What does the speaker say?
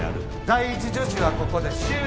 第１助手はここで終了。